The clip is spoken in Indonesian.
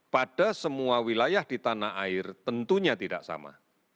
pada semua wilayah di tanah air tentunya tidak sama